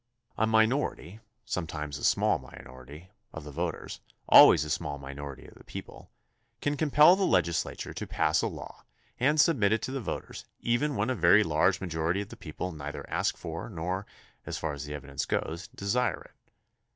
A minority, sometimes a small minority, of the voters, always a small minority of the people, can compel the legislature to pass a law and submit it to the voters even when a very large majority of the people neither ask for nor, so far as the evidence goes, desire it.